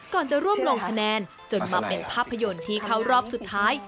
จะร่วมลงคะแนนจนมาเป็นภาพยนตร์ที่เข้ารอบสุดท้าย